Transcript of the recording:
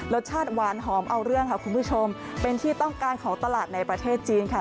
รสชาติหวานหอมเอาเรื่องค่ะคุณผู้ชมเป็นที่ต้องการของตลาดในประเทศจีนค่ะ